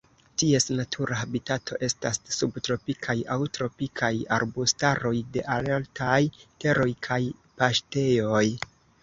Ties natura habitato estas subtropikaj aŭ tropikaj arbustaroj de altaj teroj kaj paŝtejoj.